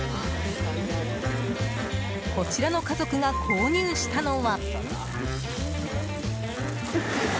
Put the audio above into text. こちらの家族が購入したのは。